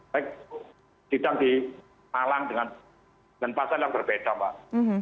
baik tidak di malang dengan pasaran yang berbeda mbak